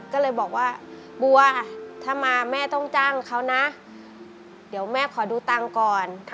ก็เลยบอกว่าบัวถ้ามาแม่ต้องจ้างเขานะเดี๋ยวแม่ขอดูตังค์ก่อน